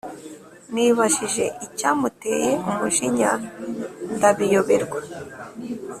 nibajije icyamuteye umujinya ndabiyoberwa